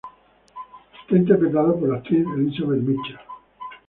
Es interpretado por la actriz Elizabeth Mitchell.